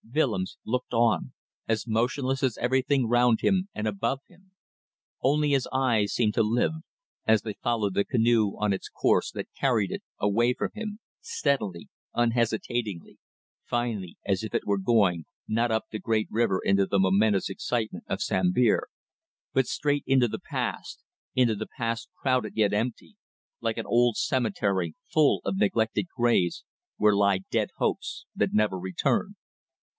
Willems looked on, as motionless as everything round him and above him. Only his eyes seemed to live, as they followed the canoe on its course that carried it away from him, steadily, unhesitatingly, finally, as if it were going, not up the great river into the momentous excitement of Sambir, but straight into the past, into the past crowded yet empty, like an old cemetery full of neglected graves, where lie dead hopes that never return.